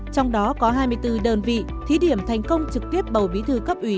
trong đó có hai mươi bốn đơn vị thí điểm thành công trực tiếp bầu bí thư cấp ủy